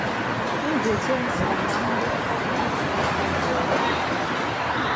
Ngue ti yɛ nzraamaʼm be kpaja kpa kɔnguɛ ɔ?